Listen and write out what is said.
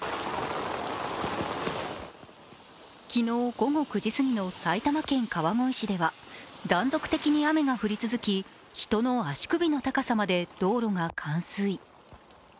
昨日午後９時過ぎの埼玉県川越市では断続的に雨が降り続き、人の足首の高さまで道路が冠水。